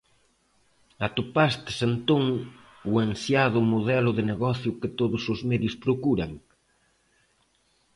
Atopastes, entón, o ansiado modelo de negocio que todos os medios procuran?